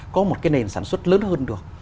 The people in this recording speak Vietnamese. có một cái nền sản xuất lớn hơn được